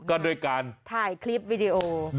ก็ด้วยการถ่ายคลิปวิดีโอ